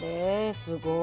すごい。